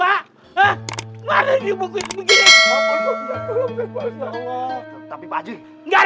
pagi nyeberin berita kalau haji rudia udah meninggal